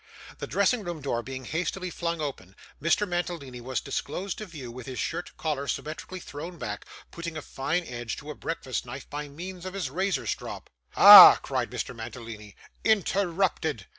The dressing room door being hastily flung open, Mr. Mantalini was disclosed to view, with his shirt collar symmetrically thrown back: putting a fine edge to a breakfast knife by means of his razor strop. 'Ah!' cried Mr. Mantalini, 'interrupted!